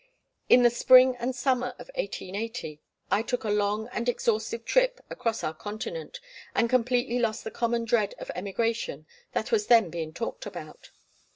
In the spring and summer of 1880 I took a long and exhaustive trip across our continent, and completely lost the common dread of emigration that was then being talked about.